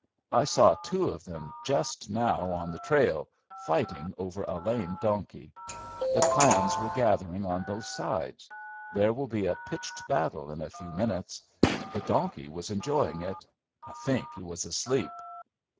I saw two of them just now on the trail, fighting over a lame donkey. The clans were gathering on both sides; there will be a pitched battle in a few minutes. The donkey was enjoying it. I think he was asleep!"